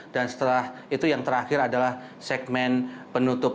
dan setelah itu yang terakhir adalah segmen penutup